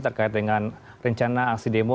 terkait dengan rencana aksi demo